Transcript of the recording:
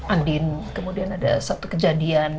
andin kemudian ada satu kejadian